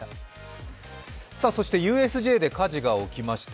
そしてＵＳＪで火事が起きました。